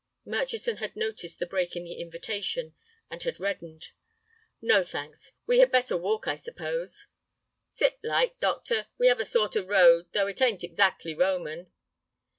Murchison had noticed the break in the invitation, and had reddened. "No, thanks. We had better walk, I suppose?" "Sit light, doctor; we have a sort of road, though it ain't exactly Roman."